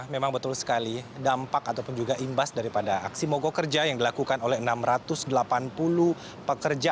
memang betul sekali dampak ataupun juga imbas daripada aksi mogok kerja yang dilakukan oleh enam ratus delapan puluh pekerja